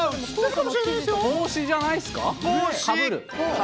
帽子じゃないですか？